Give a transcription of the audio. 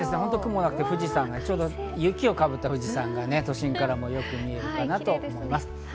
富士山がちょうど雪をかぶった富士山が都心からもよく見えるかなと思います。